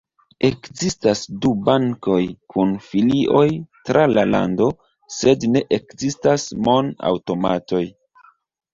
Ekzistas du bankoj kun filioj tra la lando sed ne ekzistas mon-aŭtomatoj.